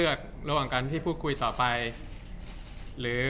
จากความไม่เข้าจันทร์ของผู้ใหญ่ของพ่อกับแม่